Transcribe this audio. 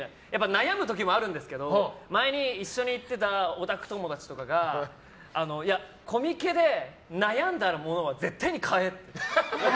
悩む時もあるんですけど前一緒に行ってたオタク友達がコミケで悩んだものは絶対に買えって。